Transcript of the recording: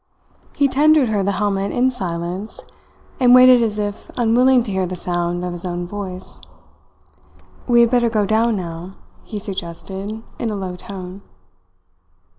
He tendered her the helmet in silence, and waited as if unwilling to hear the sound of his own voice. "We had better go down now," he suggested in a low tone.